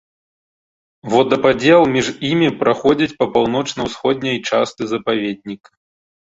Водападзел між імі праходзіць па паўночна-ўсходняй частцы запаведніка.